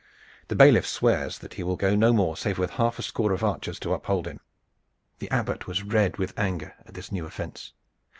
The bailiff swears that he will go no more, save with half a score of archers to uphold him." The Abbot was red with anger at this new offense.